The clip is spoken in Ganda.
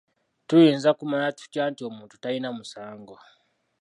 Tuyinza kumanya tutya nti omuntu talina musango?